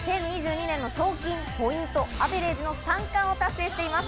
まずは２０２０年の賞金・ポイント・アベレージの３冠を達成しています